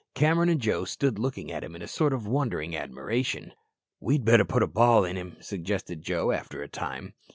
Cameron and Joe stood looking at him in a sort of wondering admiration. "We'd better put a ball in him," suggested Joe after a time.